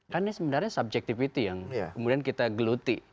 kan ini sebenarnya subjektivity yang kemudian kita geluti